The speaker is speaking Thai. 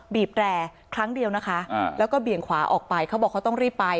บีบแร่ครั้งเดียวนะคะแล้วก็เบี่ยงขวาออกไปเขาบอกเขาต้องรีบไป